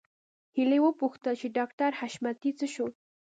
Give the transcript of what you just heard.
هيلې وپوښتل چې ډاکټر حشمتي څه شو